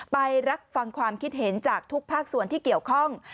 ไปรับฟังความคิดเห็นจากทุกภาคส่วนที่เกี่ยวข้อง